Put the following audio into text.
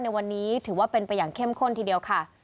ในวันนี้ถือว่าเป็นแปลงขึ้นทีเดียวค่ะ